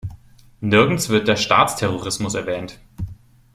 Nirgends wird der Staatsterrorismus erwähnt.